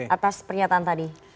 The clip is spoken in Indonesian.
atas pernyataan tadi